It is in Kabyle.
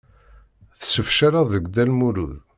Tessefcaleḍ deg Dda Lmulud.